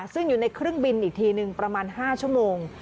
ซึ่งอยู่ในเครื่องบินอีกทีหนึ่งประมาณ๕ชั่วโมง